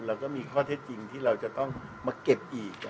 เราก็มีข้อเท็จจริงที่เราจะต้องมาเก็บอีก